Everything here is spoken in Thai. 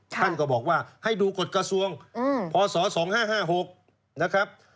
ท่านก็บอกว่าให้ดูกฎกระทรวงปีพศ๒๕๕๖